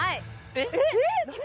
えっ？